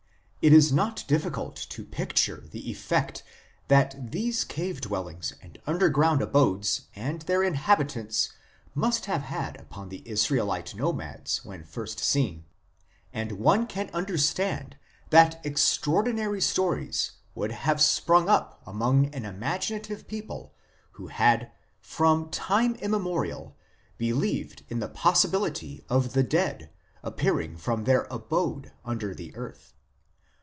l It is not difficult to picture the effect that these cave dwellings and underground abodes and their inhabitants must have had upon the Israelite nomads when first seen ; and one can understand that extraordinary stories would have sprung up among an imaginative people who had from time immemorial believed in the possibility of the dead 1 Encycl. Bibl. i. 490 f. 76 IMMORTALITY AND THE UNSEEN WORLD appearing from their abode " under the earth."